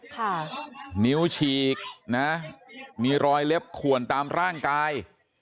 ค่ะนิ้วฉีกนะมีรอยเล็บขวนตามร่างกาย